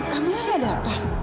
kamilah ada apa